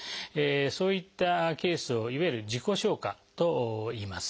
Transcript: そういったケースをいわゆる「自己消化」といいます。